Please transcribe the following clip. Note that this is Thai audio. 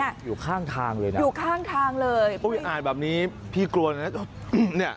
อยู่ข้างทางเลยนะครับอุ๊ยอาจแบบนี้พี่กลัวนะ